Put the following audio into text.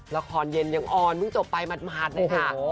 ละครเย็นยังอ่อนเมื่องจบไปหมาดนะคะ